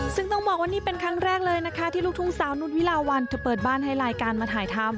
ซึ่งต้องบอกว่านี่เป็นครั้งแรกเลยนะคะที่ลูกทุ่งสาวนุษย์วิลาวันเธอเปิดบ้านให้รายการมาถ่ายทำ